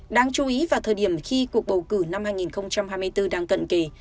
đáng chú ý vào thời điểm khi cuộc bầu cử năm hai nghìn hai mươi bốn đang cận kề